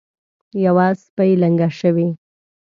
یوه سپۍ لنګه شوې.